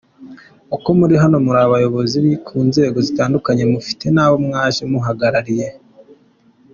Uko muri hano muri abayobozi ku nzego zitandukanye, mufite n’abo mwaje muhagarariye.